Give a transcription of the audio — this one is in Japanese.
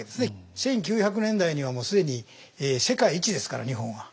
１９００年代にはもう既に世界一ですから日本は。